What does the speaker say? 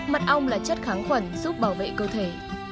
mật ong là chất kháng khuẩn giúp bảo vệ cơ thể